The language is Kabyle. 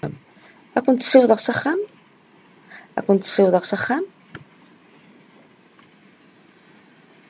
Ad kent-ssiwḍeɣ s axxam?